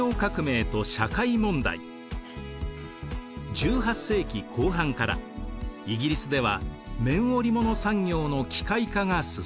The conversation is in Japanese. １８世紀後半からイギリスでは綿織物産業の機械化が進みました。